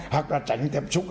hoặc là tránh tiếp xúc